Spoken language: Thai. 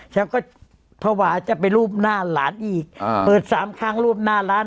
ฉันก็ภาวะจะไปรูปหน้าหลานอีกเปิดสามครั้งรูปหน้าร้าน